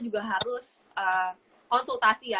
juga harus konsultasi ya